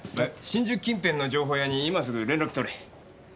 新宿近辺の情報屋に今すぐ連絡取れ。